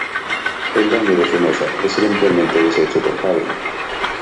El daño de Genosha es eventualmente deshecho por Haven.